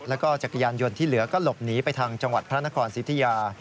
แล้วก็จักรยานยนต์ที่เหลือก็หลบหนีไปทางจังหวัดพระนครสิทธิยา